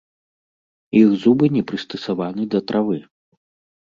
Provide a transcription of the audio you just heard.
Іх зубы не прыстасаваны да травы.